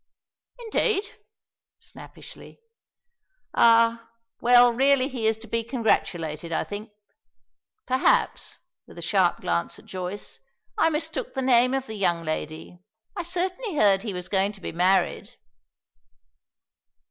"Indeed!" snappishly. "Ah, well really he is to be congratulated, I think. Perhaps," with a sharp glance at Joyce, "I mistook the name of the young lady; I certainly heard he was going to be married."